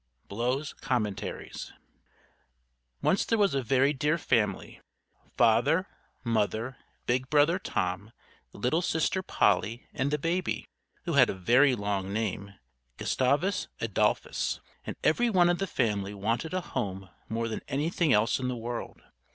Blow's Commentaries. Once there was a very dear family, Father, Mother, big Brother Tom, little Sister Polly, and the baby, who had a very long name, Gustavus Adolphus; and every one of the family wanted a home more than anything else in the world.